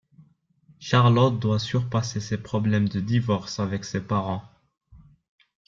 Charlotte doit surpasser des problèmes de divorce avec ses parents...